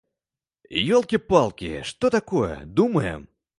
Ёлкі-палкі, што такое, думаем!?